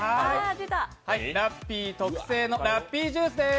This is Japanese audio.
ラッピー特製のラッピージュースです。